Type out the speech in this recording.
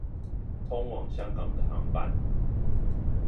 通往香港的航班